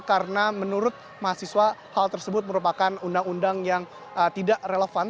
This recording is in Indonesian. karena menurut mahasiswa hal tersebut merupakan undang undang yang tidak relevan